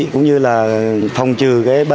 cũng như là phòng trừ bệnh dịch tả